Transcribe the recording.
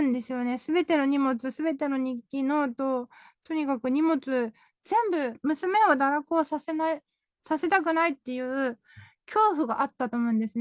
すべての荷物、すべての日記、ノート、とにかく荷物全部、娘を堕落させたくないっていう恐怖があったと思うんですね。